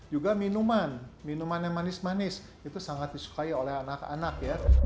juga minuman minuman yang manis manis itu sangat disukai oleh anak anak ya